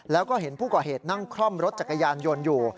แล้วก็เห็นผู้ก่อเหตุนั่งคล่อมรถจักรยานยนต์อยู่